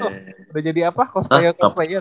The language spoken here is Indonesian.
udah jadi apa cosplayer corplayer